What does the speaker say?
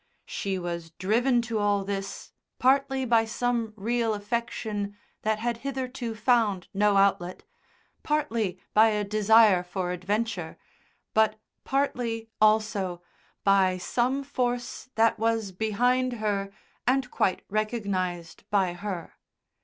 She was driven to all this partly by some real affection that had hitherto found no outlet, partly by a desire for adventure, but partly, also, by some force that was behind her and quite recognised by her.